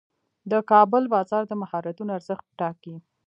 د کار بازار د مهارتونو ارزښت ټاکي.